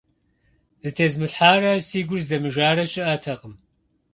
Зытезмылъхьарэ си гур здэмыжарэ щыӀэтэкъым.